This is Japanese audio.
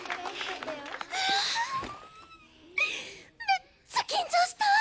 めっちゃ緊張した！